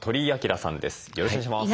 よろしくお願いします。